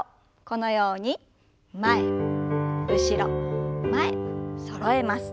このように前後ろ前そろえます。